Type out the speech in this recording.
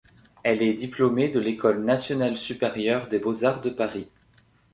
Elle est diplômée de l’École nationale supérieure des beaux-arts de Paris.